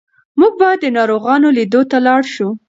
موږ باید د ناروغانو لیدو ته لاړ شو.